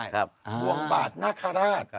อเจมส์แล้วก็พามาเท่าไหร่ประสาทที่สุด